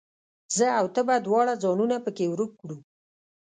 زه او ته به دواړه ځانونه پکښې ورک کړو